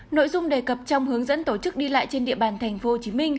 nội dung đề cập trong hướng dẫn tổ chức đi lại trên địa bàn tp hcm